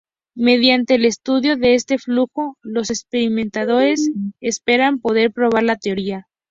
Mediante el estudio de este flujo, los experimentadores esperan poder probar la teoría.